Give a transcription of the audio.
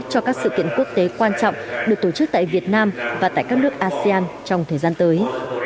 cho các sự kiện quốc tế quan trọng được tổ chức tại việt nam và tại các nước asean trong thời gian tới